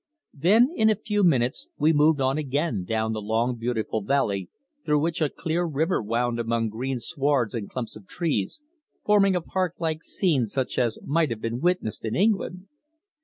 Then in a few minutes we moved on again down the long beautiful valley through which a clear river wound among green swards and clumps of trees, forming a park like scene such as might have been witnessed in England.